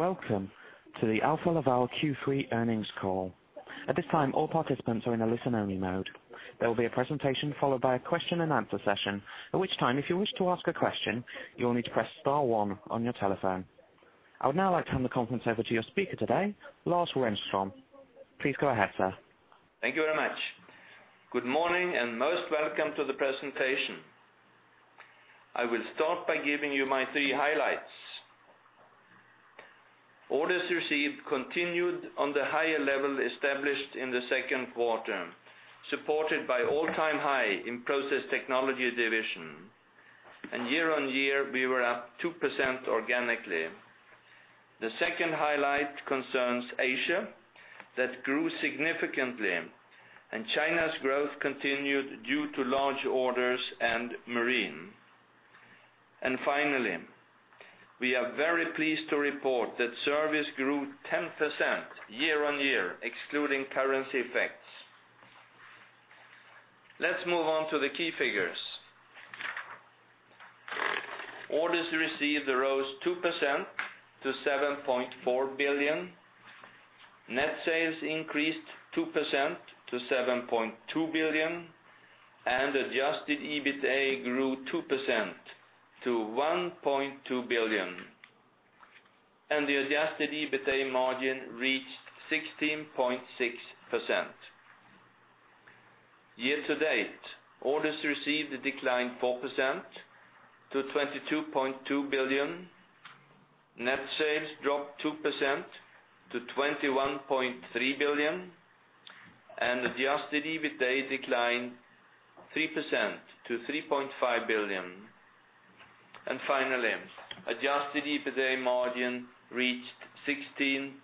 Welcome to the Alfa Laval Q3 earnings call. At this time, all participants are in a listen-only mode. There will be a presentation followed by a question and answer session, at which time, if you wish to ask a question, you will need to press star one on your telephone. I would now like to hand the conference over to your speaker today, Lars Renström. Please go ahead, sir. Thank you very much. Good morning, most welcome to the presentation. I will start by giving you my three highlights. Orders received continued on the higher level established in the second quarter, supported by all-time high in Process Technology division. Year-on-year, we were up 2% organically. The second highlight concerns Asia, that grew significantly, China's growth continued due to large orders and marine. Finally, we are very pleased to report that service grew 10% year-on-year, excluding currency effects. Let's move on to the key figures. Orders received rose 2% to 7.4 billion. Net sales increased 2% to 7.2 billion, adjusted EBITDA grew 2% to 1.2 billion. The adjusted EBITDA margin reached 16.6%. Year to date, orders received declined 4% to 22.2 billion. Net sales dropped 2% to 21.3 billion, adjusted EBITDA declined 3% to 3.5 billion. Finally, adjusted EBITDA margin reached 16.5%.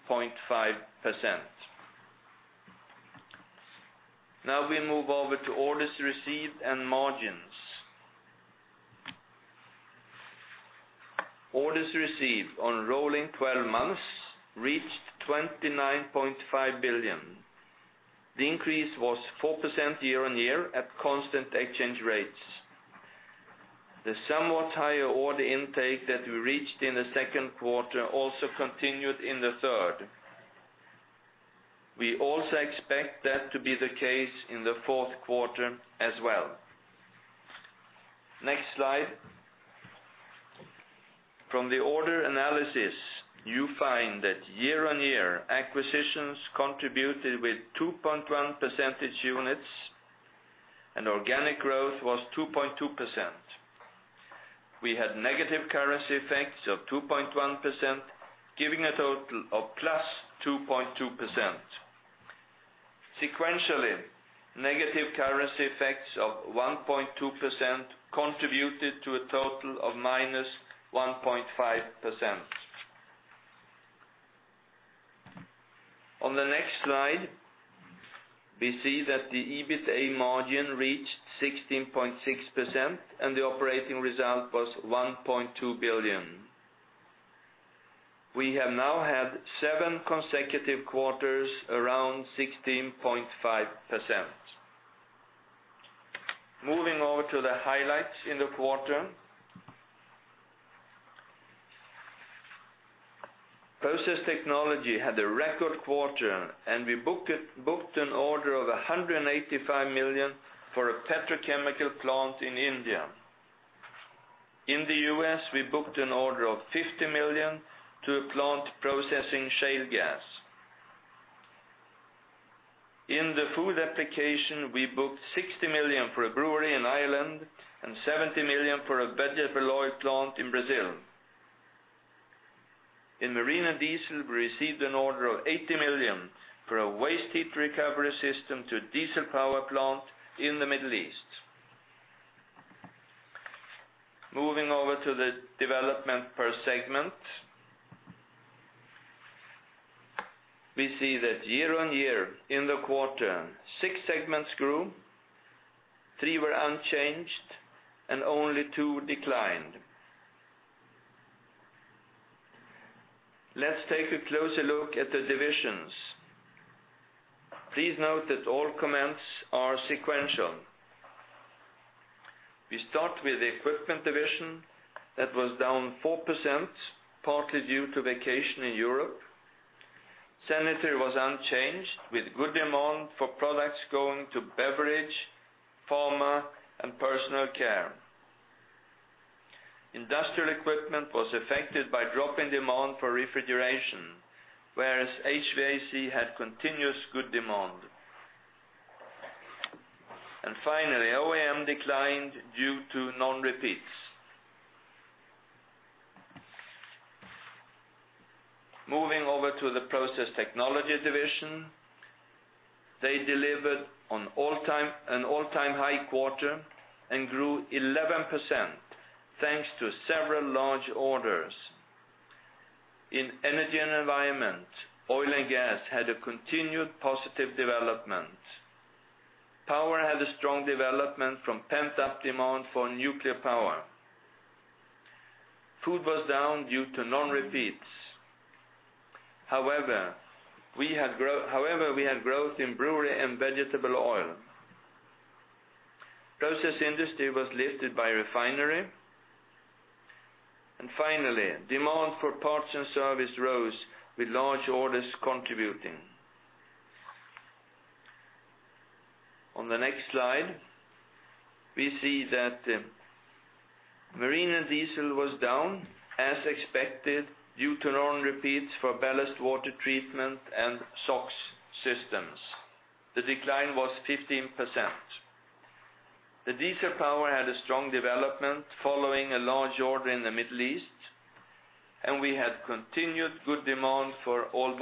Now we move over to orders received and margins. Orders received on rolling 12 months reached 29.5 billion. The increase was 4% year-on-year at constant exchange rates. The somewhat higher order intake that we reached in the second quarter also continued in the third. We also expect that to be the case in the fourth quarter as well. Next slide. From the order analysis, you find that year-on-year, acquisitions contributed with 2.1 percentage units, Organic growth was 2.2%. We had negative currency effects of 2.1%, giving a total of plus 2.2%. Sequentially, negative currency effects of 1.2% contributed to a total of minus 1.5%. On the next slide, we see that the EBITDA margin reached 16.6%, The operating result was 1.2 billion. We have now had seven consecutive quarters around 16.5%. Moving over to the highlights in the quarter. Process Technology had a record quarter, We booked an order of 185 million for a petrochemical plant in India. In the U.S., we booked an order of 50 million to a plant processing shale gas. In the food application, we booked 60 million for a brewery in Ireland 70 million for a vegetable oil plant in Brazil. In Marine and Diesel, we received an order of 80 million for a waste heat recovery system to a diesel power plant in the Middle East. Moving over to the development per segment. We see that year-on-year in the quarter, six segments grew, three were unchanged, and only two declined. Let's take a closer look at the divisions. Please note that all comments are sequential. We start with the equipment division. That was down 4%, partly due to vacation in Europe. Sanitary was unchanged, with good demand for products going to beverage, pharma, and personal care. Industrial equipment was affected by a drop in demand for refrigeration, whereas HVAC had continuous good demand. Finally, OEM declined due to non-repeats. Moving over to the Process Technology division. They delivered an all-time high quarter and grew 11%, thanks to several large orders. In energy and environment, oil and gas had a continued positive development. Power had a strong development from pent-up demand for nuclear power. Food was down due to non-repeats. However, we had growth in brewery and vegetable oil. Process industry was lifted by refinery. Finally, demand for parts and service rose with large orders contributing. On the next slide, we see that marine and diesel was down as expected due to non-repeats for ballast water treatment and SOx systems. The decline was 15%. The diesel power had a strong development following a large order in the Middle East, and we had continued good demand for oil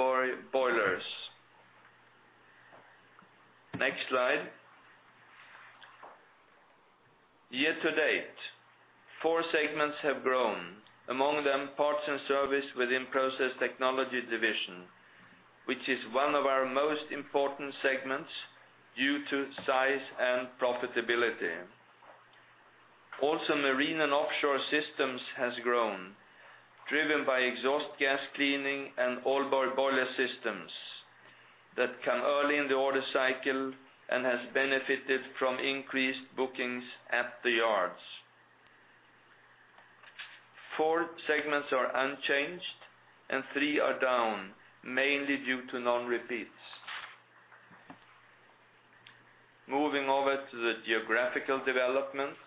boilers. Next slide. Year to date, four segments have grown. Among them, parts and service within Process Technology division, which is one of our most important segments due to size and profitability. Also, marine and offshore systems has grown, driven by exhaust gas cleaning and oil boiler systems that come early in the order cycle and has benefited from increased bookings at the yards. Four segments are unchanged and three are down, mainly due to non-repeats. Moving over to the geographical developments.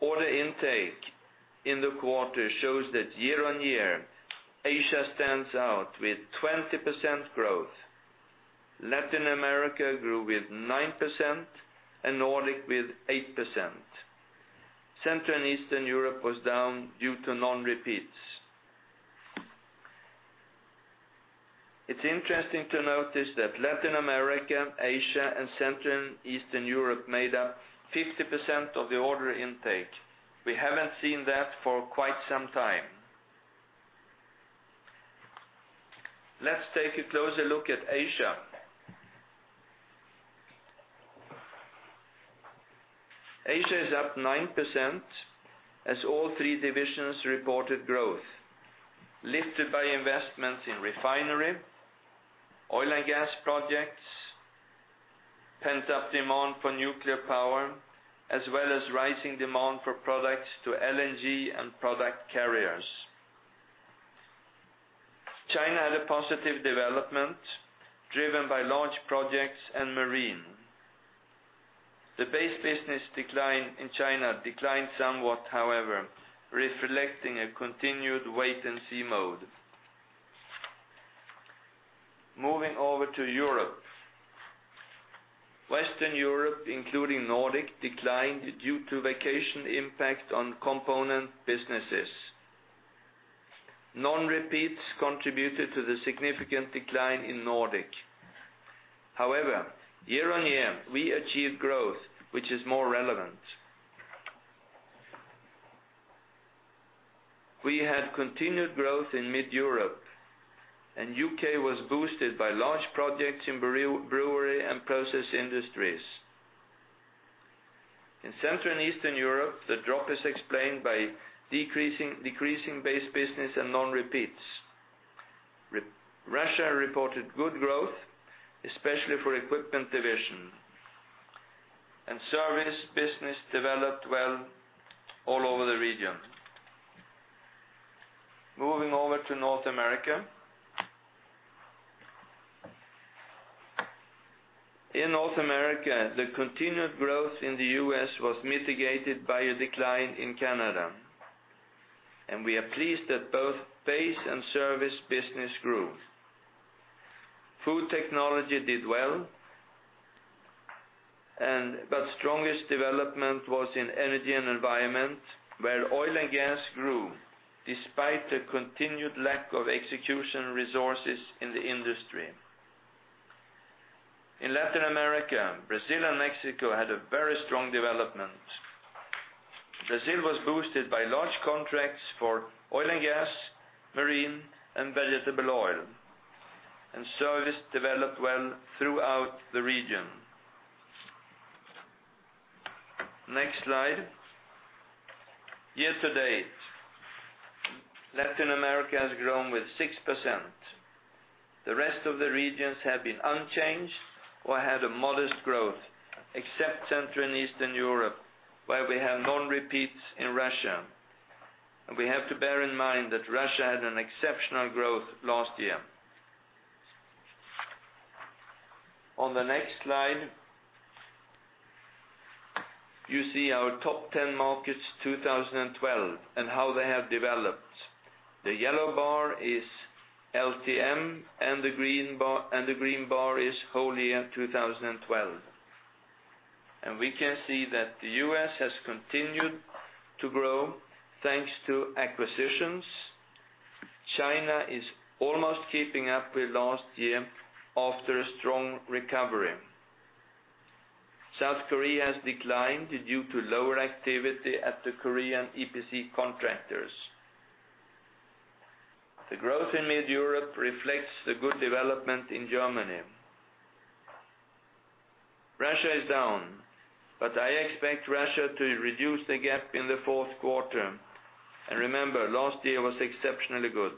Order intake in the quarter shows that year-on-year, Asia stands out with 20% growth. Latin America grew with 9% and Nordic with 8%. Central and Eastern Europe was down due to non-repeats. It's interesting to notice that Latin America, Asia, and Central and Eastern Europe made up 50% of the order intake. We haven't seen that for quite some time. Let's take a closer look at Asia. Asia is up 9% as all three divisions reported growth, lifted by investments in refinery, oil and gas projects, pent-up demand for nuclear power, as well as rising demand for products to LNG and product carriers. China had a positive development driven by large projects and marine. The base business decline in China declined somewhat, however, reflecting a continued wait-and-see mode. Moving over to Europe. Western Europe, including Nordic, declined due to vacation impact on component businesses. Non-repeats contributed to the significant decline in Nordic. However, year-on-year, we achieved growth which is more relevant. We had continued growth in mid-Europe, and U.K. was boosted by large projects in brewery and process industries. In Central and Eastern Europe, the drop is explained by decreasing base business and non-repeats. Russia reported good growth, especially for Equipment division. Service business developed well all over the region. Moving over to North America. In North America, the continued growth in the U.S. was mitigated by a decline in Canada, and we are pleased that both base and service business grew. Food technology did well, but strongest development was in energy and environment, where oil and gas grew despite a continued lack of execution resources in the industry. In Latin America, Brazil and Mexico had a very strong development. Brazil was boosted by large contracts for oil and gas, marine, and vegetable oil, and service developed well throughout the region. Next slide. Year to date, Latin America has grown with 6%. The rest of the regions have been unchanged or had a modest growth, except Central and Eastern Europe, where we have non-repeats in Russia. We have to bear in mind that Russia had an exceptional growth last year. On the next slide, you see our top 10 markets 2012 and how they have developed. The yellow bar is LTM, and the green bar is whole year 2012. We can see that the U.S. has continued to grow thanks to acquisitions. China is almost keeping up with last year after a strong recovery. South Korea has declined due to lower activity at the Korean EPC contractors. The growth in mid-Europe reflects the good development in Germany. Russia is down, but I expect Russia to reduce the gap in the fourth quarter. Remember, last year was exceptionally good.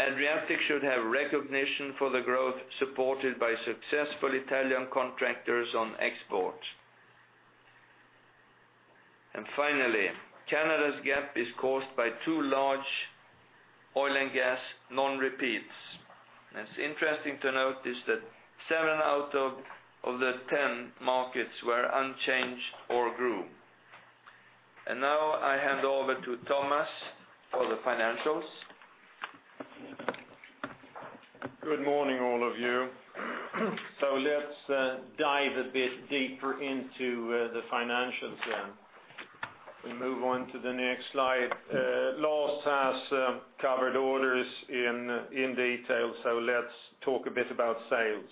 Adriatic should have recognition for the growth supported by successful Italian contractors on export. Finally, Canada's gap is caused by two large oil and gas non-repeats. It's interesting to notice that seven out of the 10 markets were unchanged or grew. Now I hand over to Thomas for the financials. Good morning, all of you. Let's dive a bit deeper into the financials then. We move on to the next slide. Lars has covered orders in detail, so let's talk a bit about sales.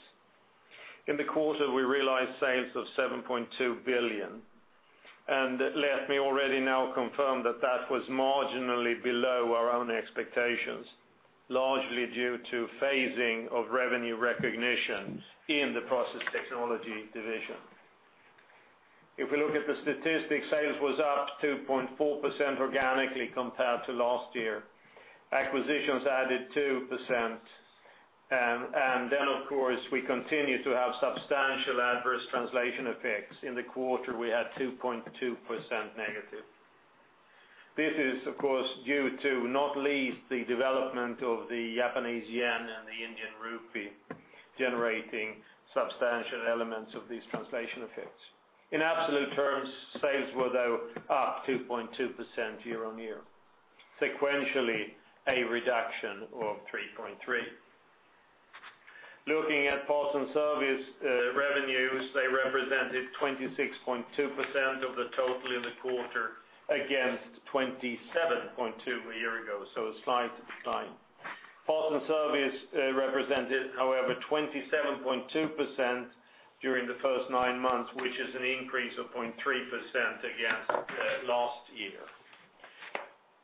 In the quarter, we realized sales of 7.2 billion. Let me already now confirm that that was marginally below our own expectations, largely due to phasing of revenue recognitions in the Process Technology division. If we look at the statistics, sales was up 2.4% organically compared to last year. Acquisitions added 2%. Then, of course, we continue to have substantial adverse translation effects. In the quarter, we had 2.2% negative. This is, of course, due to not least the development of the JPY and the INR generating substantial elements of these translation effects. In absolute terms, sales were, though, up 2.2% year-on-year. Sequentially, a reduction of 3.3%. Looking at parts and service revenues, they represented 26.2% of the total in the quarter against 27.2% a year ago, so a slight decline. Parts and service represented, however, 27.2% during the first nine months, which is an increase of 0.3% against last year.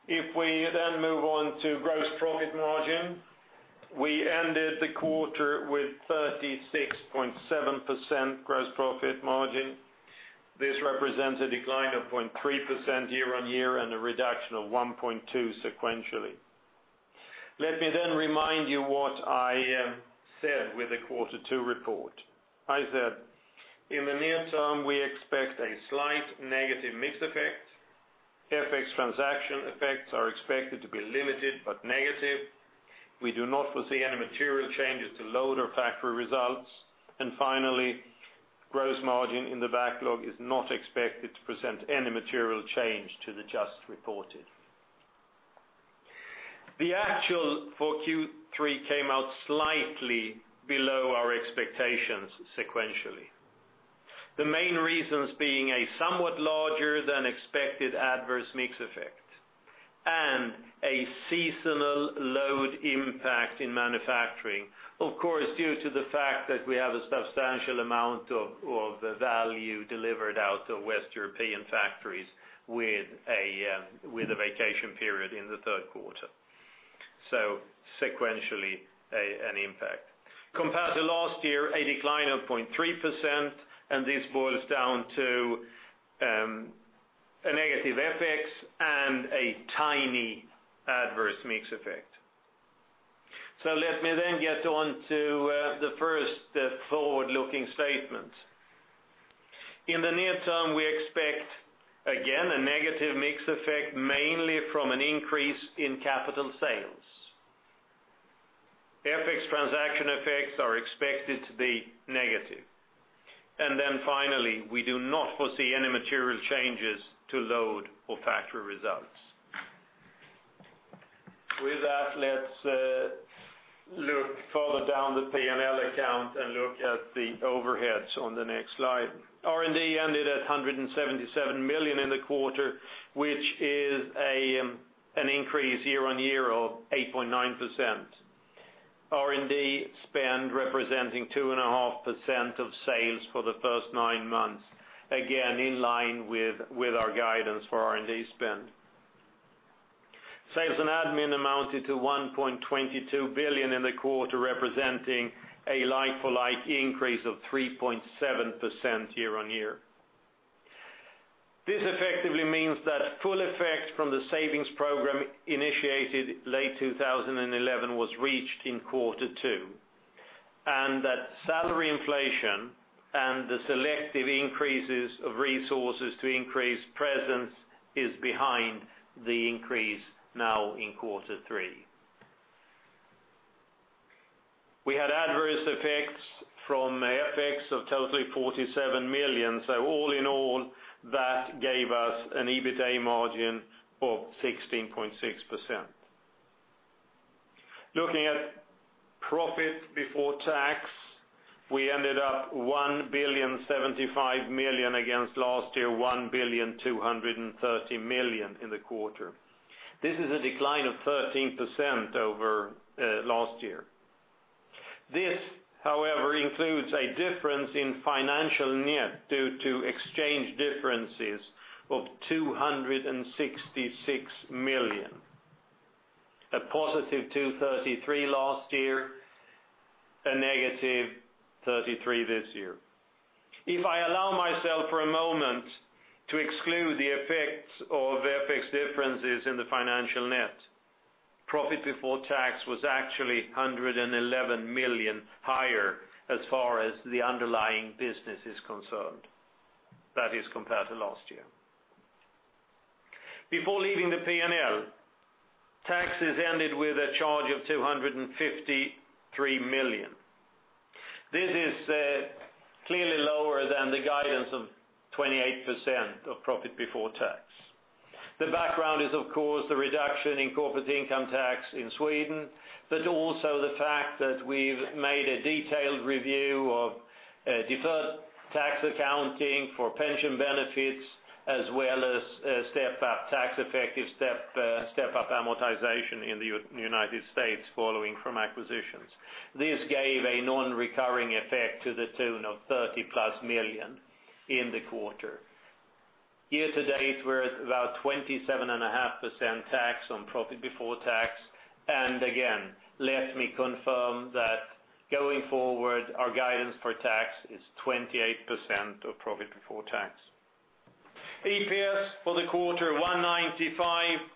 If we then move on to gross profit margin, we ended the quarter with 36.7% gross profit margin. This represents a decline of 0.3% year-on-year and a reduction of 1.2% sequentially. Let me then remind you what I said with the quarter two report. I said, in the near term, we expect a slight negative mix effect. FX transaction effects are expected to be limited but negative. We do not foresee any material changes to load or factory results. Finally, gross margin in the backlog is not expected to present any material change to the just reported. The actual for Q3 came out slightly below our expectations sequentially. The main reasons being a somewhat larger than expected adverse mix effect and a seasonal load impact in manufacturing. Of course, due to the fact that we have a substantial amount of the value delivered out of West European factories with a vacation period in the third quarter. Sequentially, an impact. Compared to last year, a decline of 0.3%, and this boils down to a negative FX and a tiny adverse mix effect. Let me then get on to the first forward-looking statement. In the near term, we expect, again, a negative mix effect, mainly from an increase in capital sales. FX transaction effects are expected to be negative. Finally, we do not foresee any material changes to load or factory results. With that, let's look further down the P&L account and look at the overheads on the next slide. R&D ended at 177 million in the quarter, which is an increase year-on-year of 8.9%. R&D spend representing 2.5% of sales for the first nine months, again, in line with our guidance for R&D spend. Sales and admin amounted to 1.22 billion in the quarter, representing a like-for-like increase of 3.7% year-on-year. This effectively means that full effect from the savings program initiated late 2011 was reached in quarter two, and that salary inflation and the selective increases of resources to increase presence is behind the increase now in quarter three. We had adverse effects from FX of totally 47 million. All in all, that gave us an EBITA margin of 16.6%. Looking at profit before tax, we ended up 1,075 million against last year, 1,230 million in the quarter. This is a decline of 13% over last year. This, however, includes a difference in financial net due to exchange differences of 266 million. A positive 233 million last year, a negative 33 million this year. Of FX differences in the financial net. Profit before tax was actually 111 million higher as far as the underlying business is concerned. That is compared to last year. Before leaving the P&L, taxes ended with a charge of 253 million. This is clearly lower than the guidance of 28% of profit before tax. The background is, of course, the reduction in corporate income tax in Sweden, but also the fact that we've made a detailed review of deferred tax accounting for pension benefits, as well as tax effective step-up amortization in the U.S. following from acquisitions. This gave a non-recurring effect to the tune of 30-plus million in the quarter. Year-to-date, we're at about 27.5% tax on profit before tax. Again, let me confirm that going forward, our guidance for tax is 28% of profit before tax. EPS for the quarter 195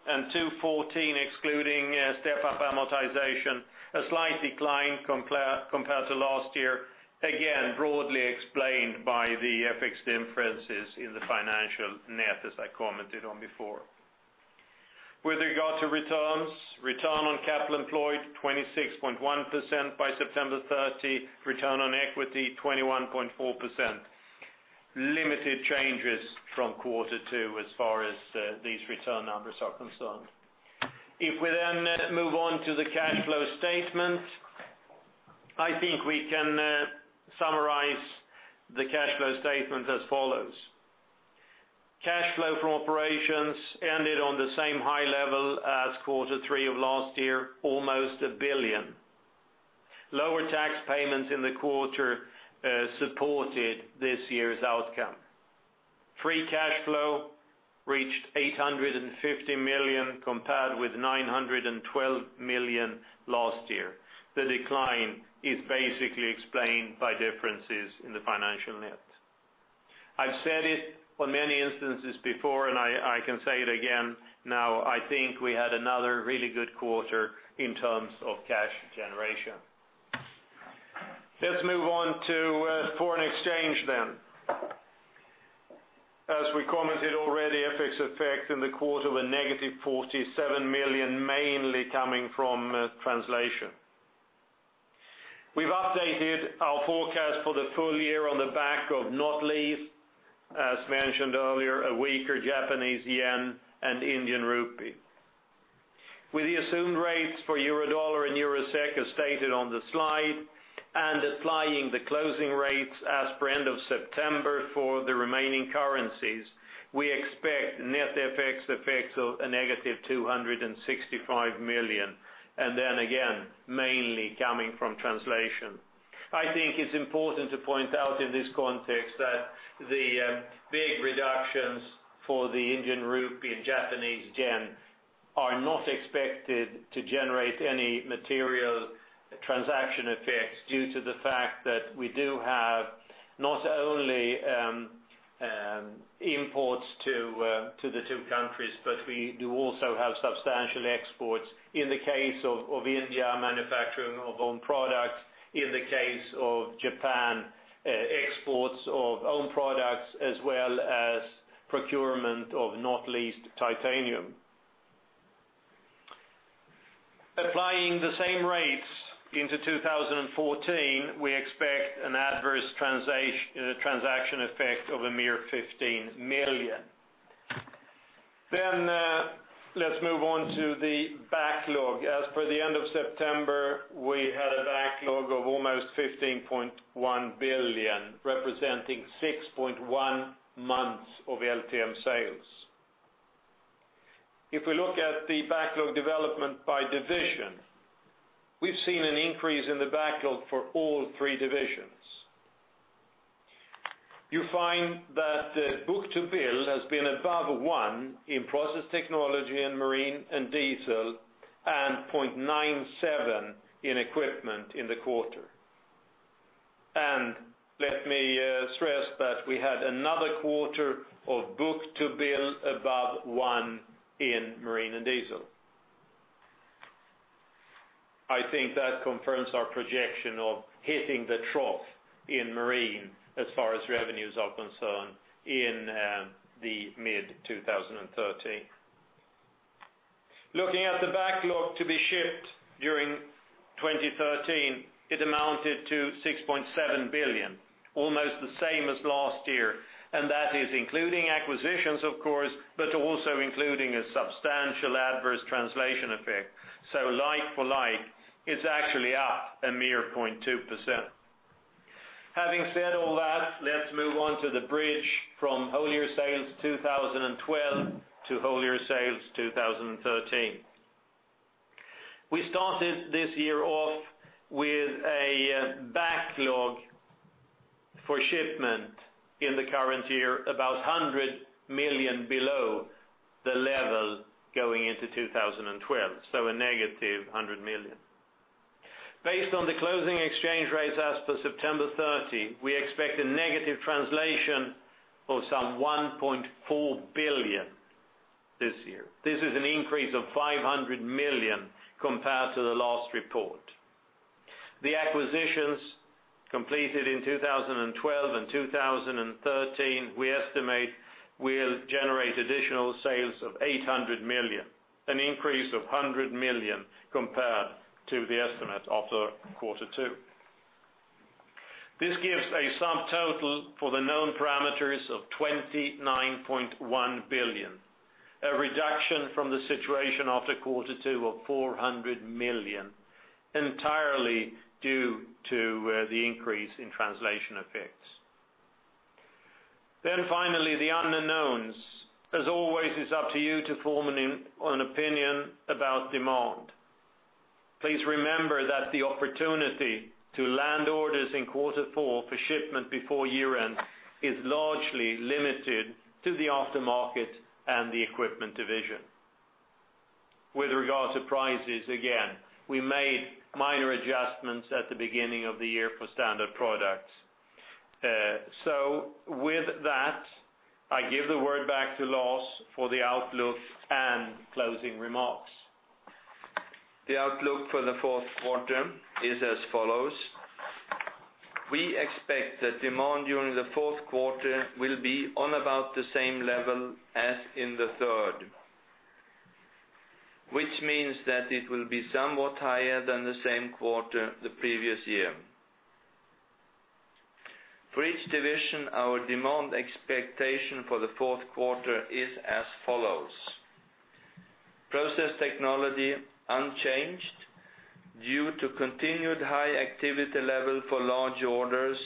and 214, excluding step-up amortization, a slight decline compared to last year, again, broadly explained by the FX differences in the financial net, as I commented on before. With regard to returns, return on capital employed 26.1% by September 30, return on equity 21.4%. Limited changes from quarter two as far as these return numbers are concerned. If we then move on to the cash flow statement, I think we can summarize the cash flow statement as follows. Cash flow from operations ended on the same high level as Q3 of last year, almost 1 billion. Lower tax payments in the quarter supported this year's outcome. Free cash flow reached 850 million, compared with 912 million last year. The decline is basically explained by differences in the financial net. I've said it on many instances before, I can say it again now, I think we had another really good quarter in terms of cash generation. Let's move on to foreign exchange. As we commented already, FX effect in the quarter were negative 47 million, mainly coming from translation. We've updated our forecast for the full year on the back of not least, as mentioned earlier, a weaker Japanese yen and Indian rupee. With the assumed rates for euro dollar and euro SEK as stated on the slide, applying the closing rates as per end of September for the remaining currencies, we expect net FX effects of a negative 265 million, and then again, mainly coming from translation. I think it's important to point out in this context that the big reductions for the Indian rupee and Japanese yen are not expected to generate any material transaction effects due to the fact that we do have, not only imports to the two countries, but we do also have substantial exports. In the case of India, manufacturing of own products. In the case of Japan, exports of own products, as well as procurement of not least titanium. Applying the same rates into 2014, we expect an adverse transaction effect of a mere 15 million. Let's move on to the backlog. As for the end of September, we had a backlog of almost 15.1 billion, representing 6.1 months of LTM sales. If we look at the backlog development by division, we've seen an increase in the backlog for all three divisions. You find that book-to-bill has been above one in Process Technology and Marine and Diesel, and 0.97 in Equipment in the quarter. Let me stress that we had another quarter of book-to-bill above one in Marine and Diesel. I think that confirms our projection of hitting the trough in marine as far as revenues are concerned in the mid-2013. Looking at the backlog to be shipped during 2013, it amounted to 6.7 billion, almost the same as last year, and that is including acquisitions, of course, but also including a substantial adverse translation effect. So like for like, it's actually up a mere 0.2%. Having said all that, let's move on to the bridge from whole year sales 2012 to whole year sales 2013. We started this year off with a backlog for shipment in the current year, about 100 million below the level into 2012, so a negative 100 million. Based on the closing exchange rates as per September 30, we expect a negative translation of some 1.4 billion this year. This is an increase of 500 million compared to the last report. The acquisitions completed in 2012 and 2013, we estimate will generate additional sales of 800 million, an increase of 100 million compared to the estimate after Q2. This gives a sum total for the known parameters of 29.1 billion, a reduction from the situation after Q2 of 400 million, entirely due to the increase in translation effects. Finally, the unknowns. As always, it's up to you to form an opinion about demand. Please remember that the opportunity to land orders in quarter four for shipment before year-end is largely limited to the after-market and the Equipment division. With regard to prices, again, we made minor adjustments at the beginning of the year for standard products. With that, I give the word back to Lars for the outlook and closing remarks. The outlook for the fourth quarter is as follows. We expect that demand during the fourth quarter will be on about the same level as in the third, which means that it will be somewhat higher than the same quarter the previous year. For each division, our demand expectation for the fourth quarter is as follows. Process Technology, unchanged due to continued high activity level for large orders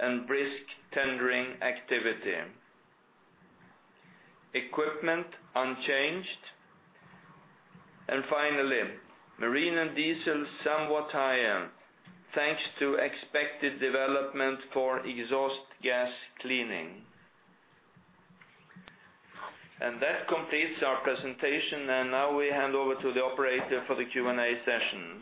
and brisk tendering activity. Equipment, unchanged. Finally, Marine and Diesel, somewhat higher, thanks to expected development for exhaust gas cleaning. That completes our presentation, and now we hand over to the operator for the Q&A session.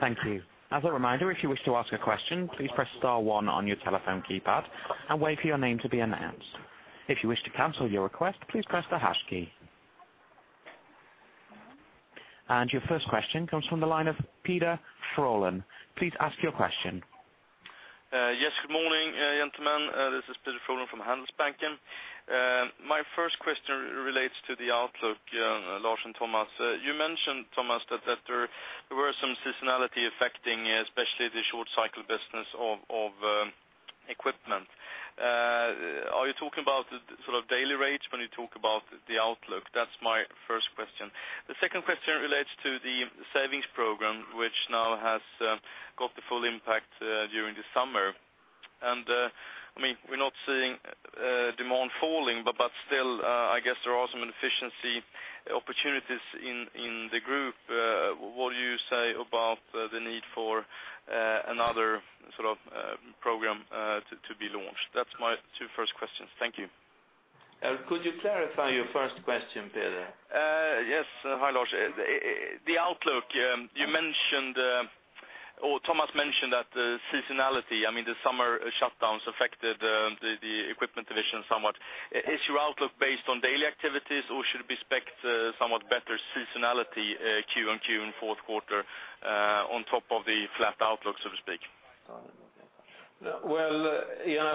Thank you. As a reminder, if you wish to ask a question, please press star one on your telephone keypad and wait for your name to be announced. If you wish to cancel your request, please press the hash key. Your first question comes from the line of Peder Frölén. Please ask your question. Yes, good morning, gentlemen. This is Peder Frölén from Handelsbanken. My first question relates to the outlook, Lars and Thomas. You mentioned, Thomas, that there were some seasonality affecting especially the short cycle business of Equipment. Are you talking about the daily rates when you talk about the outlook? That's my first question. We're not seeing demand falling, but still, I guess there are some efficiency opportunities in the group. What do you say about the need for another program to be launched? That's my two first questions. Thank you. Could you clarify your first question, Peder? Yes. Hi, Lars. The outlook, Thomas mentioned that the seasonality, the summer shutdowns affected the equipment division somewhat. Is your outlook based on daily activities, or should we expect somewhat better seasonality Q on Q in fourth quarter, on top of the flat outlook, so to speak? Well,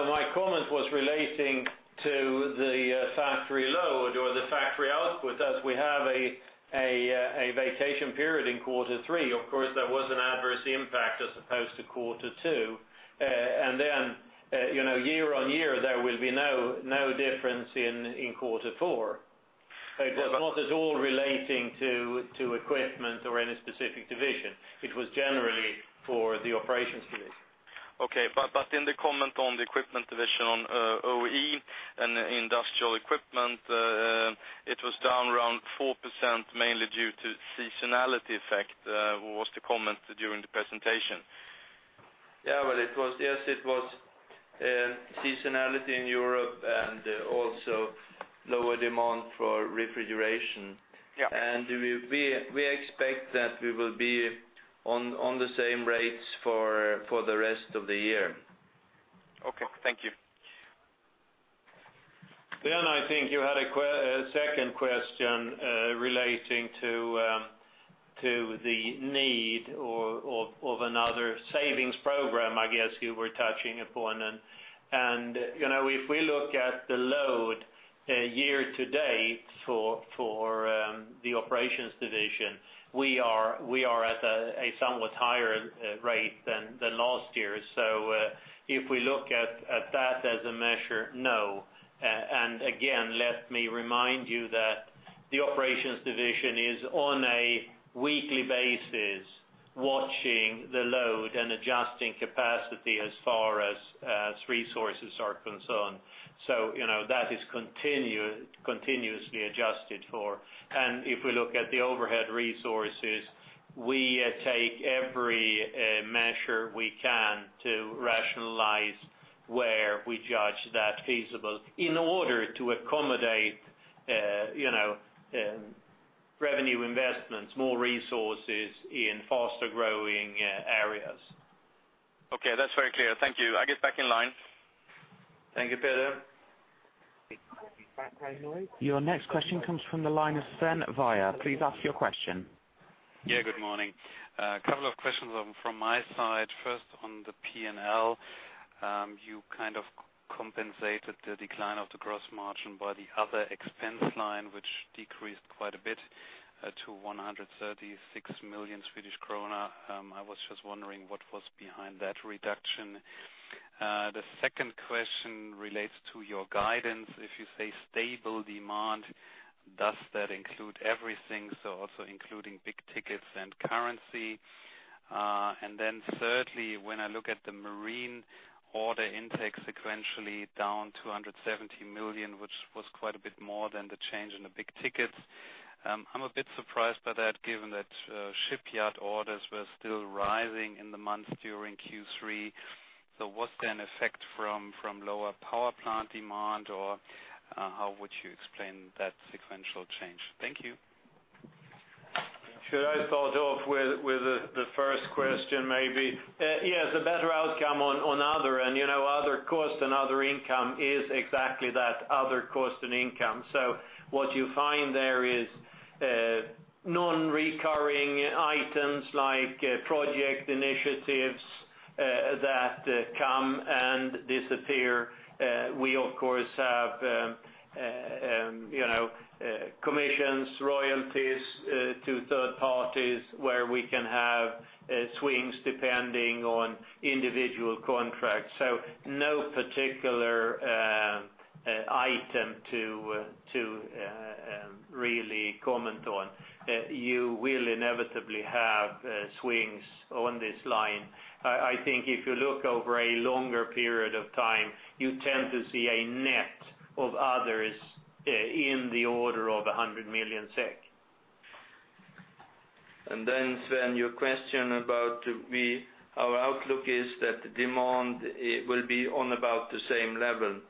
my comment was relating to the factory load or the factory output, as we have a vacation period in quarter three. Of course, there was an adverse impact as opposed to quarter two. Year-over-year, there will be no difference in quarter four. It was not at all relating to equipment or any specific division. It was generally for the operations division. Okay. In the comment on the equipment division on OE and industrial equipment, it was down around 4%, mainly due to seasonality effect, was the comment during the presentation. Yes, it was seasonality in Europe and also lower demand for refrigeration. Yes. We expect that we will be on the same rates for the rest of the year. Okay. Thank you. I think you had a second question relating to the need of another savings program, I guess you were touching upon. If we look at the load year-to-date for the operations division, we are at a somewhat higher rate than last year. If we look at that as a measure, no. Again, let me remind you that the operations division is on a weekly basis, watching the load and adjusting capacity as far as resources are concerned. That is continuously adjusted for. If we look at the overhead resources, we take every measure we can to rationalize where we judge that feasible in order to accommodate revenue investments, more resources in faster-growing areas. Okay. That's very clear. Thank you. I get back in line. Thank you, Peder. Your next question comes from the line of Sven Weier. Please ask your question. Yeah, good morning. A couple of questions from my side. First, on the P&L, you kind of compensated the decline of the gross margin by the other expense line, which decreased quite a bit to 136 million Swedish kronor. I was just wondering what was behind that reduction. The second question relates to your guidance. If you say stable demand, does that include everything, also including big tickets and currency? Thirdly, when I look at the marine order intake sequentially down 270 million, which was quite a bit more than the change in the big tickets. I am a bit surprised by that, given that shipyard orders were still rising in the months during Q3. Was there an effect from lower power plant demand, or how would you explain that sequential change? Thank you. Should I start off with the first question, maybe? Yes, a better outcome on other costs and other income is exactly that, other cost and income. What you find there is non-recurring items like project initiatives that come and disappear. We of course have commissions, royalties to third parties where we can have swings depending on individual contracts. No particular item to really comment on. You will inevitably have swings on this line. I think if you look over a longer period of time, you tend to see a net of others in the order of 100 million SEK. Sven, your question about our outlook is that demand will be on about the same level.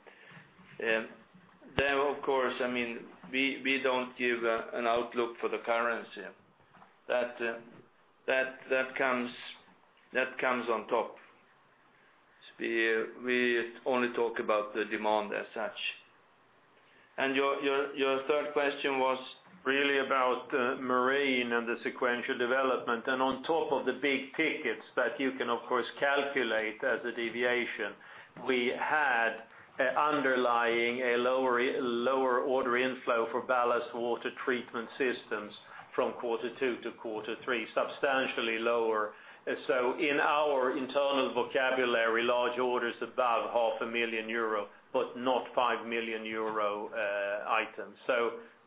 Of course, we don't give an outlook for the currency. That comes on top. We only talk about the demand as such. Your third question was really about marine and the sequential development. On top of the big tickets that you can, of course, calculate as a deviation, we had underlying a lower order inflow for ballast water treatment systems from quarter two to quarter three, substantially lower. In our internal vocabulary, large orders above half a million EUR, but not 5 million euro items.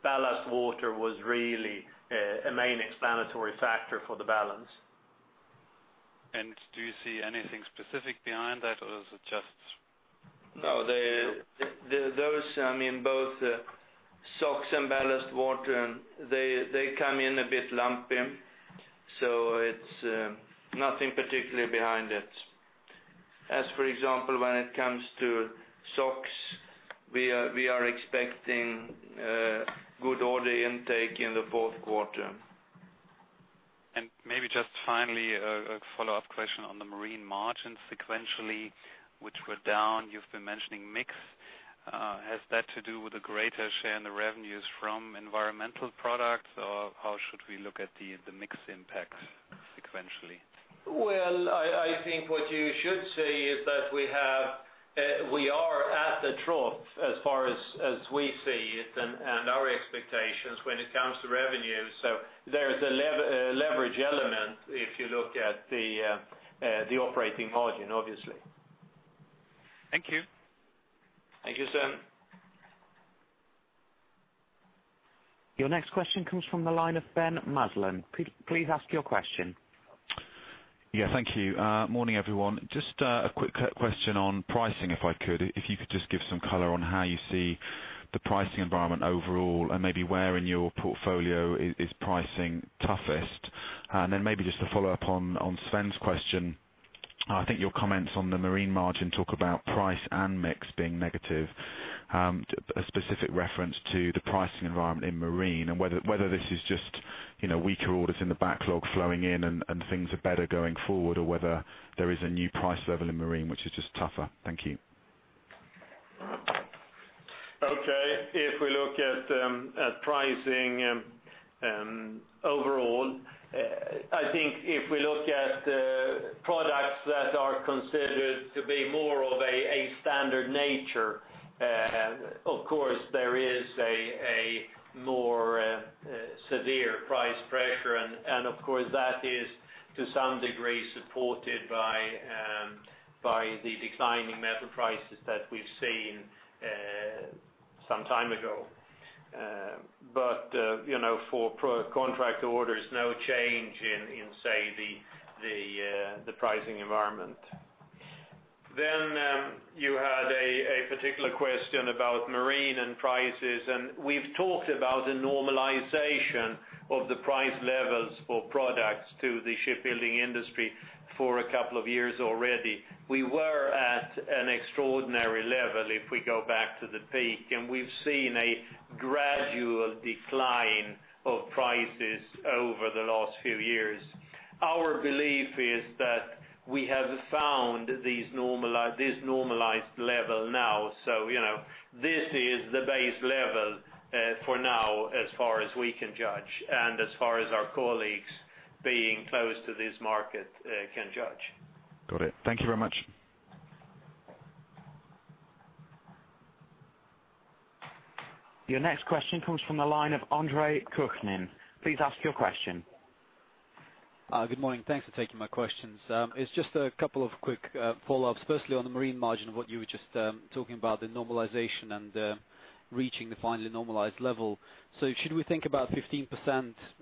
Ballast water was really a main explanatory factor for the balance. Do you see anything specific behind that, or is it? No, those, both SOx and ballast water, they come in a bit lumpy. It's nothing particularly behind it. As for example, when it comes to SOx, we are expecting good order intake in the fourth quarter. just finally, a follow-up question on the marine margins sequentially, which were down. You've been mentioning mix. Has that to do with the greater share in the revenues from environmental products, or how should we look at the mix impact sequentially? Well, I think what you should say is that we are at a trough as far as we see it, and our expectations when it comes to revenue. There is a leverage element if you look at the operating margin, obviously. Thank you. Thank you, Sven. Your next question comes from the line of Ben Maslen. Please ask your question. Thank you. Morning, everyone. Just a quick question on pricing, if I could. If you could just give some color on how you see the pricing environment overall and maybe where in your portfolio is pricing toughest. Then maybe just to follow up on Sven's question, I think your comments on the marine margin talk about price and mix being negative, a specific reference to the pricing environment in marine and whether this is just weaker orders in the backlog flowing in and things are better going forward, or whether there is a new price level in marine, which is just tougher. Thank you. Okay. If we look at pricing overall, I think if we look at products that are considered to be more of a standard nature, of course, there is a more severe price pressure, and of course, that is to some degree supported by the declining metal prices that we've seen some time ago. For contract orders, no change in the pricing environment. You had a particular question about marine and prices. We've talked about a normalization of the price levels for products to the shipbuilding industry for a couple of years already. We were at an extraordinary level if we go back to the peak, and we've seen a gradual decline of prices over the last few years. Our belief is that we have found this normalized level now. This is the base level for now, as far as we can judge, and as far as our colleagues being close to this market can judge. Got it. Thank you very much. Your next question comes from the line of Andre Kukhnin. Please ask your question. Good morning. Thanks for taking my questions. It's just a couple of quick follow-ups. Firstly, on the marine margin, what you were just talking about, the normalization and reaching the finally normalized level. Should we think about 15%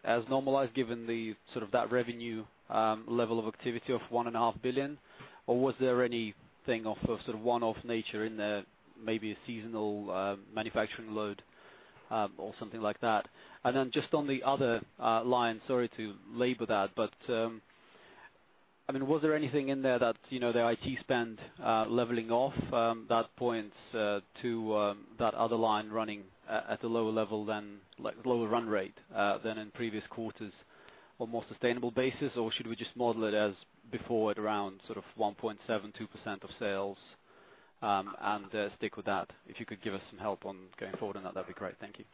as normalized given that revenue level of activity of 1.5 billion? Or was there anything of one-off nature in there, maybe a seasonal manufacturing load or something like that? Then just on the other line, sorry to labor that, but was there anything in there that, the IT spend leveling off that points to that other line running at a lower run rate than in previous quarters on a more sustainable basis? Or should we just model it as before at around 1.72% of sales and stick with that? If you could give us some help on going forward on that'd be great. Thank you.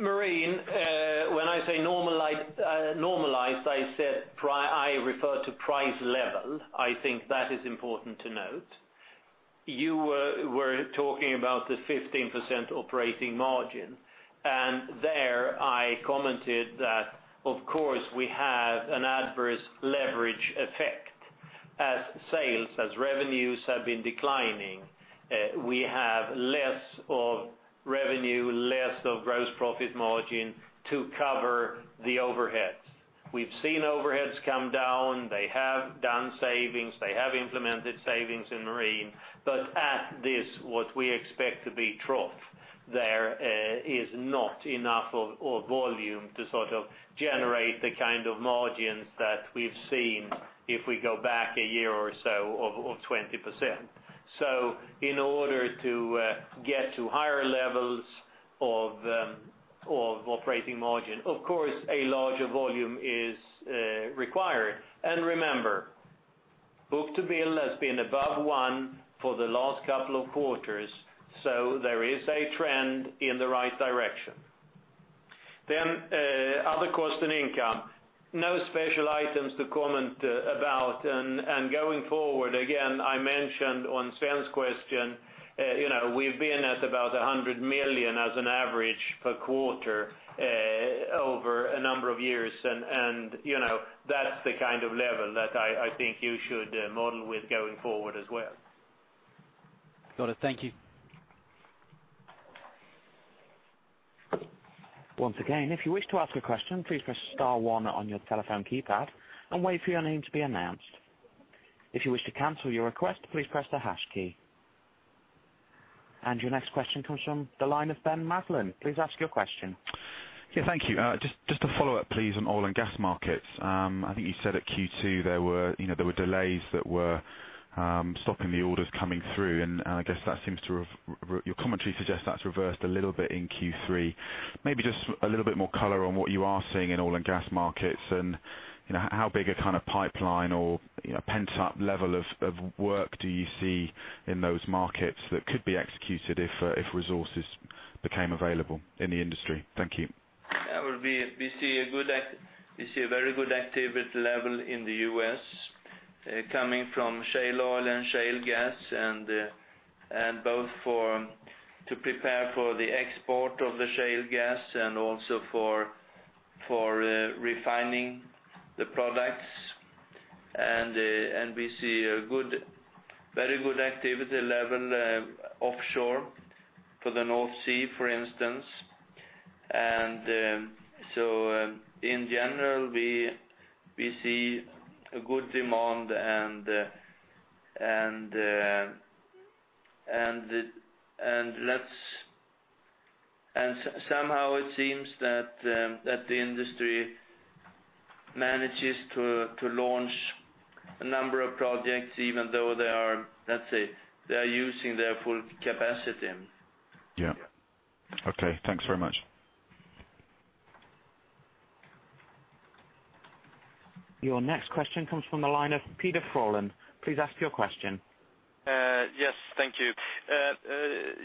Marine, when I say normalized, I refer to price level. I think that is important to note. You were talking about the 15% operating margin, and there I commented that, of course, we have an adverse leverage effect as sales, as revenues have been declining. We have less of revenue, less of gross profit margin to cover the overheads. We've seen overheads come down. They have done savings. They have implemented savings in Marine. But at this, what we expect to be trough, there is not enough of volume to generate the kind of margins that we've seen if we go back a year or so of 20%. In order to get to higher levels of operating margin, of course, a larger volume is required. Remember, book-to-bill has been above one for the last couple of quarters, so there is a trend in the right direction. Other cost and income. No special items to comment about. Going forward, again, I mentioned on Sven's question, we've been at about 100 million as an average per quarter over a number of years, and that's the kind of level that I think you should model with going forward as well. Got it. Thank you. Once again, if you wish to ask a question, please press *1 on your telephone keypad and wait for your name to be announced. If you wish to cancel your request, please press the # key. Your next question comes from the line of Ben Maslen. Please ask your question. Yeah, thank you. Just a follow-up, please, on oil and gas markets. I think you said at Q2 there were delays that were stopping the orders coming through, and I guess your commentary suggests that's reversed a little bit in Q3. Maybe just a little bit more color on what you are seeing in oil and gas markets and how big a kind of pipeline or pent-up level of work do you see in those markets that could be executed if resources became available in the industry? Thank you. We see a very good activity level in the U.S. coming from shale oil and shale gas, both to prepare for the export of the shale gas and also for refining the products. We see a very good activity level offshore for the North Sea, for instance. In general, we see a good demand and somehow it seems that the industry manages to launch a number of projects even though they are, let's say, using their full capacity. Yeah. Okay. Thanks very much. Your next question comes from the line of Peder Frölén. Please ask your question. Yes. Thank you.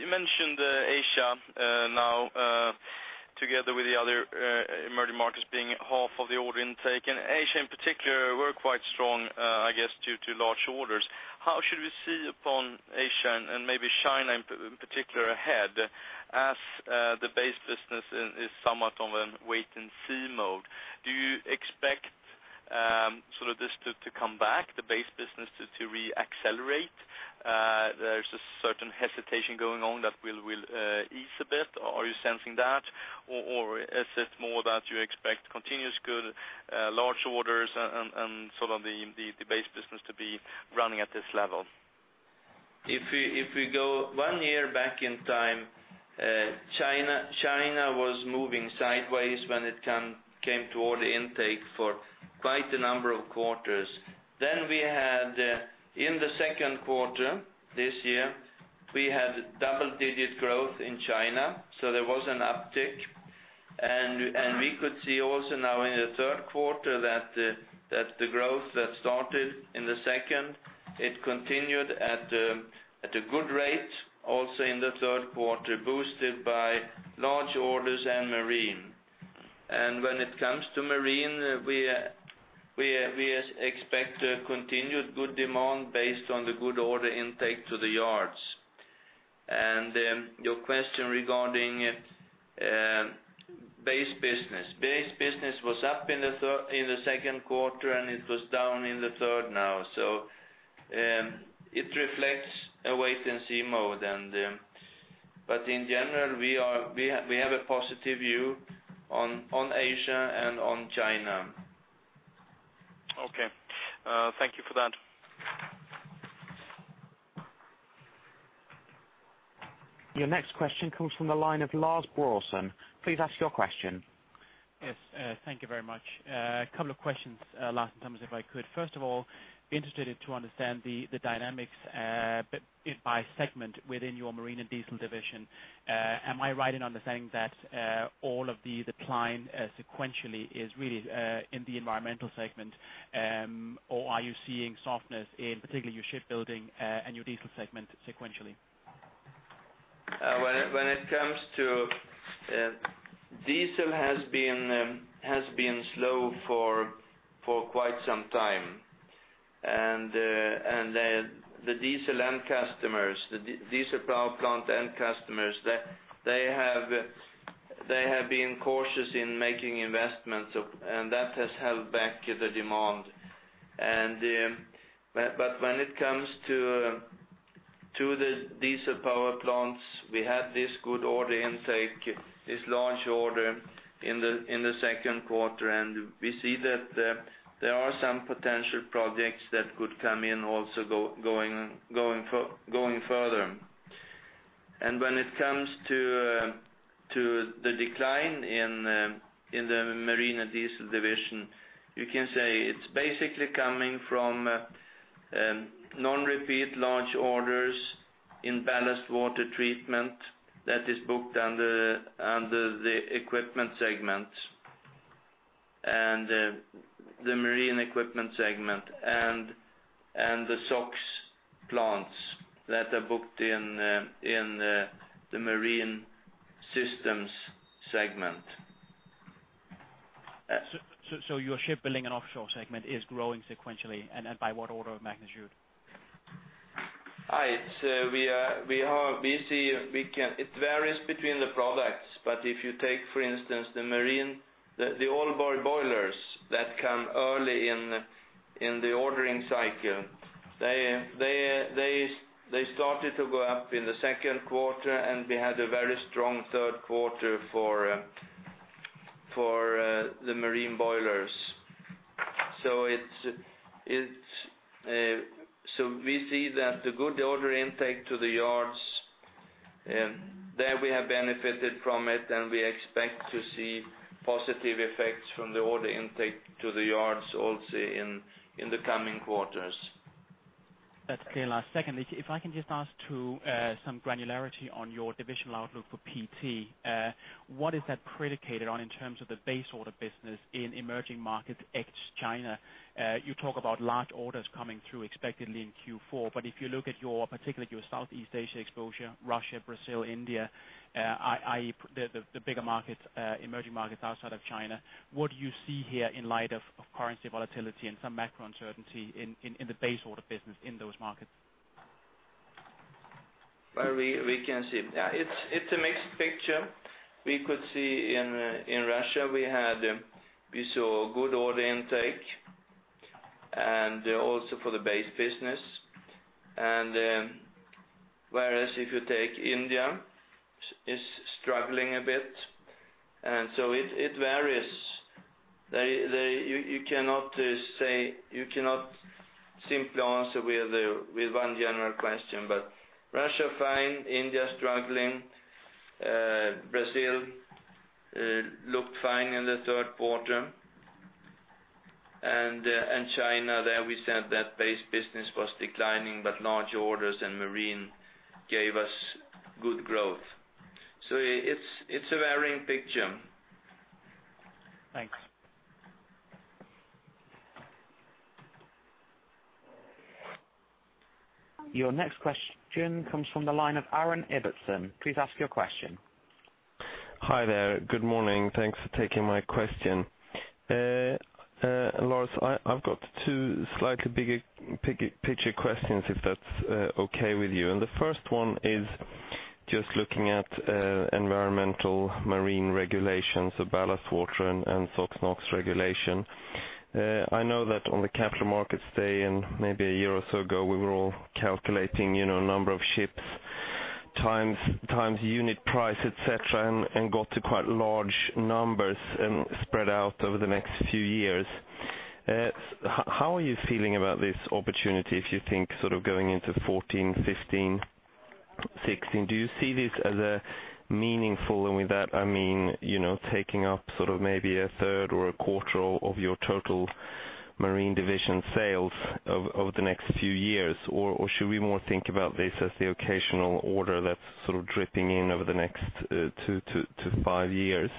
You mentioned Asia now together with the other emerging markets being half of the order intake, Asia in particular were quite strong, I guess, due to large orders. How should we see upon Asia and maybe China in particular ahead as the base business is somewhat of a wait-and-see mode? Do you expect this to come back, the base business to re-accelerate? There's a certain hesitation going on that will ease a bit. Are you sensing that? Or is it more that you expect continuous good large orders and the base business to be running at this level? If we go one year back in time, China was moving sideways when it came to order intake for quite a number of quarters. We had, in the second quarter this year, we had double-digit growth in China, so there was an uptick. We could see also now in the third quarter that the growth that started in the second, it continued at a good rate, also in the third quarter, boosted by large orders and marine. When it comes to marine, we expect a continued good demand based on the good order intake to the yards. Your question regarding base business. Base business was up in the second quarter, and it was down in the third now. It reflects a wait-and-see mode. In general, we have a positive view on Asia and on China. Okay. Thank you for that. Your next question comes from the line of Lars Brorson. Please ask your question. Yes, thank you very much. A couple of questions, Lars Thomas, if I could. First of all, be interested to understand the dynamics bit by segment within your marine and diesel division. Am I right in understanding that all of the decline sequentially is really in the environmental segment? Are you seeing softness in, particularly your shipbuilding and your diesel segment sequentially? Diesel has been slow for quite some time. The diesel end customers, the diesel power plant end customers, they have been cautious in making investments, and that has held back the demand. When it comes to the diesel power plants, we had this good order intake, this large order in the second quarter, and we see that there are some potential projects that could come in also going further. When it comes to the decline in the marine and diesel division, you can say it's basically coming from non-repeat large orders in ballast water treatment that is booked under the equipment segment, and the marine equipment segment, and the SOx plants that are booked in the marine systems segment. Your shipbuilding and offshore segment is growing sequentially, and by what order of magnitude? We are busy. It varies between the products, but if you take, for instance, the marine, the oil boilers that come early in the ordering cycle, they started to go up in the second quarter, and we had a very strong third quarter for the marine boilers. We see that the good order intake to the yards, there we have benefited from it, and we expect to see positive effects from the order intake to the yards also in the coming quarters. That's clear, Lars. Secondly, if I can just ask to some granularity on your divisional outlook for PT. What is that predicated on in terms of the base order business in emerging markets ex China? You talk about large orders coming through expectedly in Q4, but if you look at your, particularly your Southeast Asia exposure, Russia, Brazil, India, i.e., the bigger markets, emerging markets outside of China, what do you see here in light of currency volatility and some macro uncertainty in the base order business in those markets? We can see. It's a mixed picture. We could see in Russia, we saw good order intake, also for the base business. Whereas if you take India, it's struggling a bit. It varies. You cannot simply answer with one general question, Russia, fine, India, struggling. Brazil looked fine in the third quarter. China, there we said that base business was declining, large orders and marine gave us good growth. It's a varying picture. Thanks. Your next question comes from the line of Aaron Ibbotson. Please ask your question. Hi there. Good morning. Thanks for taking my question. Lars, I've got two slightly bigger picture questions, if that's okay with you. The first one is just looking at environmental marine regulations, the ballast water and SOx, NOx regulation. I know that on the Capital Markets Day maybe a year or so ago, we were all calculating, number of ships, times unit price, et cetera, and got to quite large numbers and spread out over the next few years. How are you feeling about this opportunity if you think going into 2014, 2015, 2016? Do you see this as meaningful? With that, I mean, taking up maybe a third or a quarter of your total marine division sales over the next few years, or should we more think about this as the occasional order that's dripping in over the next two to five years?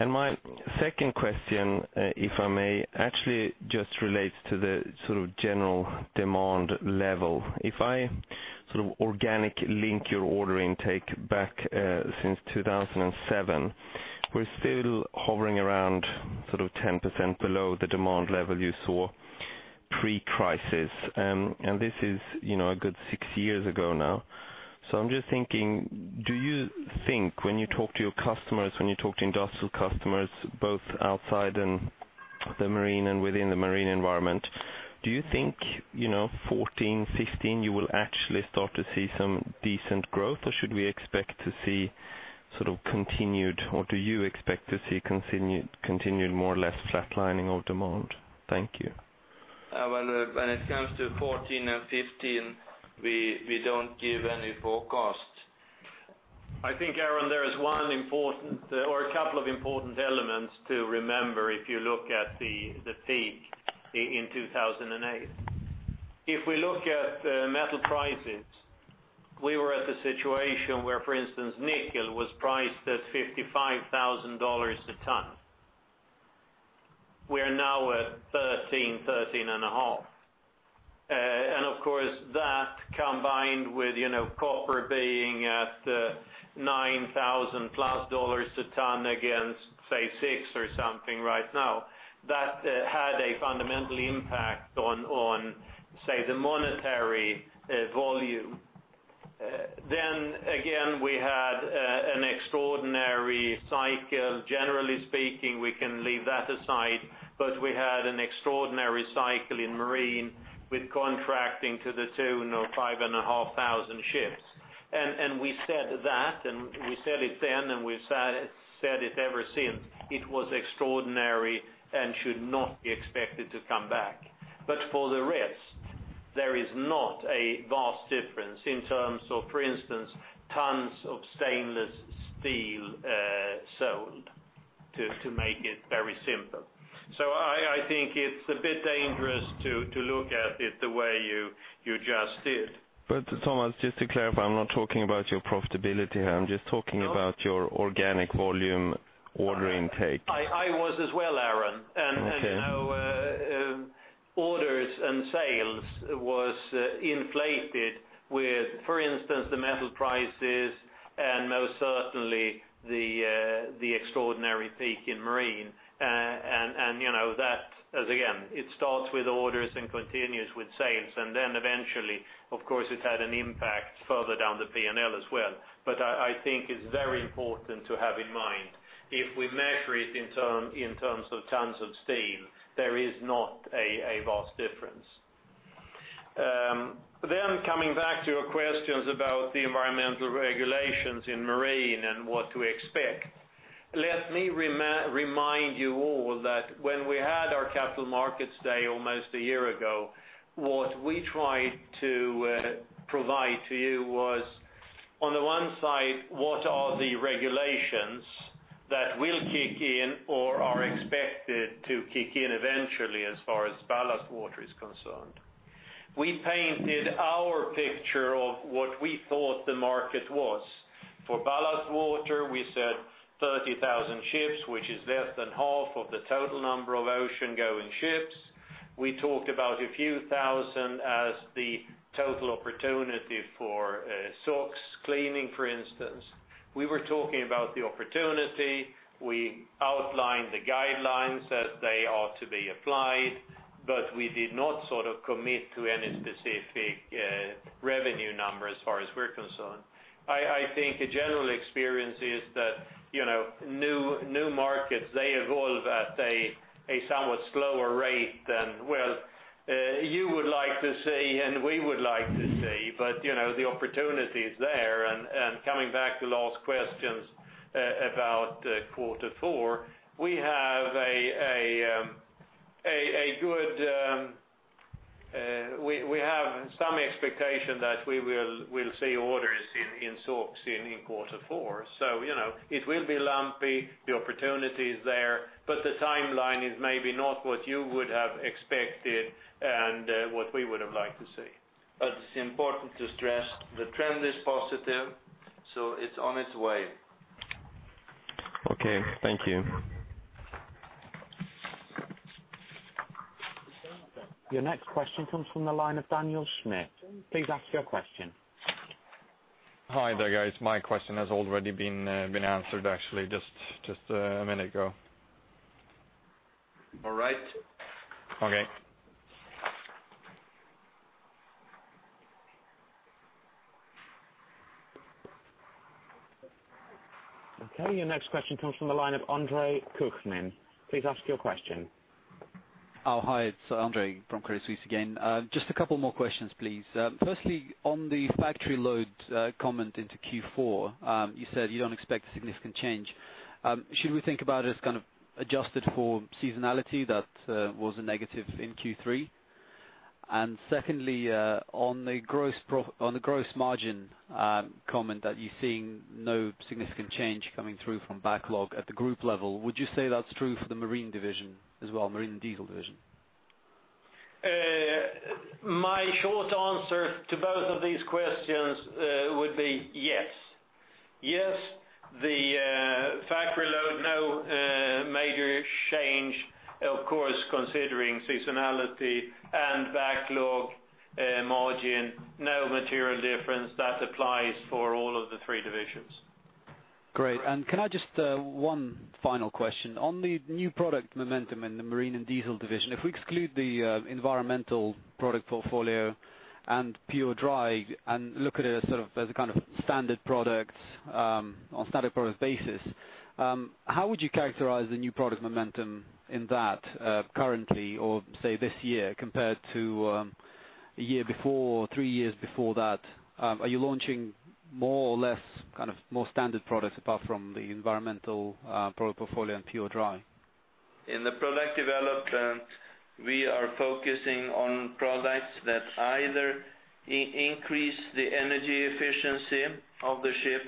My second question, if I may, actually just relates to the general demand level. If I organically link your order intake back since 2007, we're still hovering around 10% below the demand level you saw pre-crisis. This is a good six years ago now. I'm just thinking, do you think when you talk to your customers, when you talk to industrial customers, both outside and the marine and within the marine environment, do you think, 2014, 2015, you will actually start to see some decent growth or should we expect to see continued, or do you expect to see continued more or less flatlining of demand? Thank you. When it comes to 2014 and 2015, we don't give any forecast. I think, Aaron, there is one important or a couple of important elements to remember if you look at the peak in 2008. If we look at metal prices, we were at a situation where, for instance, nickel was priced at $55,000 a ton. We are now at $13,000, $13,500. Of course, that combined with copper being at $9,000 plus a ton against, say, six or something right now. That had a fundamental impact on, say, the monetary volume. Again, we had an extraordinary cycle. Generally speaking, we can leave that aside, but we had an extraordinary cycle in marine with contracting to the tune of 5,500 ships. We said that, and we said it then, and we've said it ever since. It was extraordinary and should not be expected to come back. For the rest, there is not a vast difference in terms of, for instance, tons of stainless steel sold, to make it very simple. I think it's a bit dangerous to look at it the way you just did. Thomas, just to clarify, I'm not talking about your profitability here. I'm just talking about. No your organic volume order intake. I was as well, Aaron. Okay. Orders and sales was inflated with, for instance, the metal prices and most certainly the extraordinary peak in marine. That, again, it starts with orders and continues with sales. Eventually, of course, it had an impact further down the P&L as well. I think it's very important to have in mind, if we measure it in terms of tons of steel, there is not a vast difference. Then coming back to your questions about the environmental regulations in marine and what to expect, let me remind you all that when we had our Capital Markets Day almost a year ago, what we tried to provide to you was, on the one side, what are the regulations that will kick in or are expected to kick in eventually, as far as ballast water is concerned. We painted our picture of what we thought the market was. For ballast water, we said 30,000 ships, which is less than half of the total number of ocean-going ships. We talked about a few thousand as the total opportunity for SOx cleaning, for instance. We were talking about the opportunity. We outlined the guidelines as they ought to be applied, we did not commit to any specific revenue number as far as we're concerned. I think a general experience is that, new markets, they evolve at a somewhat slower rate than, well, you would like to see, and we would like to see, the opportunity is there. Coming back to Last questions about quarter four, we have some expectation that we will see orders in SOx in quarter four. It will be lumpy. The opportunity is there, the timeline is maybe not what you would have expected and what we would have liked to see. It's important to stress the trend is positive. It's on its way. Okay. Thank you. Your next question comes from the line of Daniel Schmidt. Please ask your question. Hi there, guys. My question has already been answered, actually, just a minute ago. All right. Okay. Okay, your next question comes from the line of Andre Kukhnin. Please ask your question. Hi, it's Andre from Credit Suisse again. Just a couple more questions, please. Firstly, on the factory load comment into Q4, you said you don't expect a significant change. Should we think about it as kind of adjusted for seasonality that was a negative in Q3? Secondly, on the gross margin comment that you're seeing no significant change coming through from backlog at the group level, would you say that's true for the marine division as well? Marine and diesel division? My short answer to both of these questions would be yes. Yes, the factory load, no major change, of course, considering seasonality and backlog, margin, no material difference. That applies for all of the three divisions. One final question. On the new product momentum in the marine and diesel division, if we exclude the environmental product portfolio and PureDry and look at it as a kind of standard product on standard product basis, how would you characterize the new product momentum in that currently or say this year compared to a year before or three years before that? Are you launching more or less, more standard products apart from the environmental product portfolio and PureDry? In the product development, we are focusing on products that either increase the energy efficiency of the ship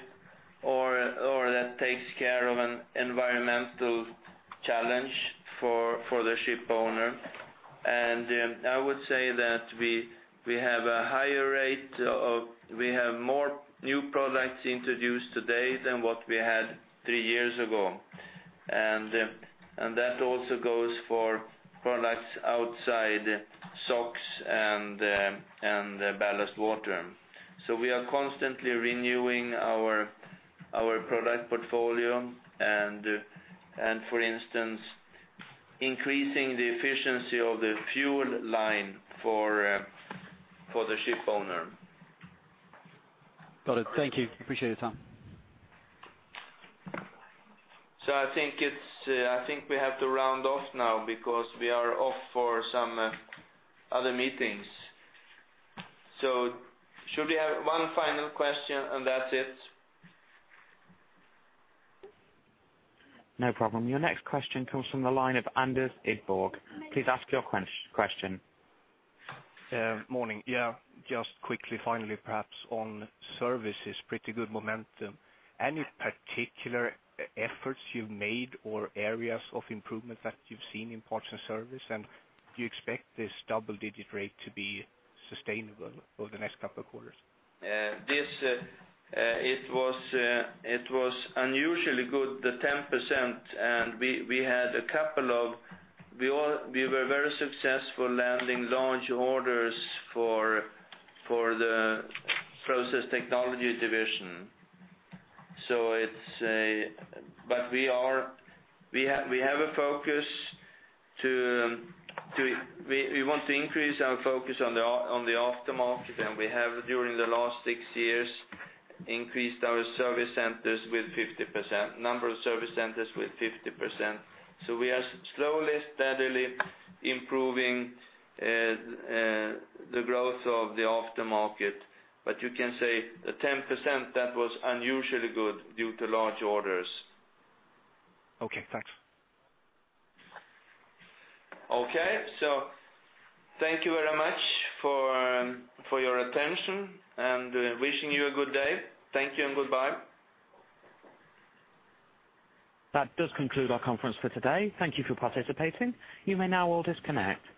or that takes care of an environmental challenge for the ship owner. I would say that we have more new products introduced today than what we had three years ago. That also goes for products outside SOx and ballast water. We are constantly renewing our product portfolio and for instance, increasing the efficiency of the fuel line for the ship owner. Got it. Thank you. Appreciate your time. I think we have to round off now because we are off for some other meetings. Should we have one final question and that's it? No problem. Your next question comes from the line of Anders Idborg. Please ask your question. Morning. Yeah, just quickly, finally, perhaps on services, pretty good momentum. Any particular efforts you've made or areas of improvement that you've seen in parts and service, and do you expect this double-digit rate to be sustainable over the next couple of quarters? It was unusually good, the 10%. We were very successful landing large orders for the Process Technology division. We want to increase our focus on the aftermarket, and we have, during the last six years, increased our service centers with 50%. Number of service centers with 50%. We are slowly, steadily improving the growth of the aftermarket. You can say the 10%, that was unusually good due to large orders. Okay, thanks. Okay. Thank you very much for your attention, and wishing you a good day. Thank you and goodbye. That does conclude our conference for today. Thank you for participating. You may now all disconnect.